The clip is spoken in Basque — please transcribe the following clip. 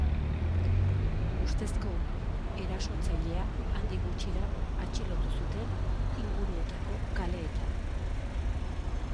Ustezko erasotzailea handik gutxira atxilotu zuten inguruetako kaleetan.